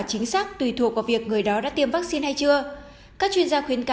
chính xác tùy thuộc vào việc người đó đã tiêm vaccine hay chưa các chuyên gia khuyên các